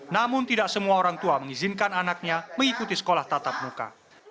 namun tidak semua orang tua mengizinkan anaknya mengikuti sekolah tatap muka